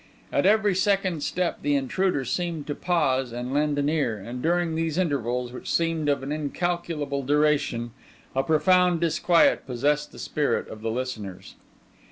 At every second step the intruder seemed to pause and lend an ear, and during these intervals, which seemed of an incalculable duration, a profound disquiet possessed the spirit of the listeners.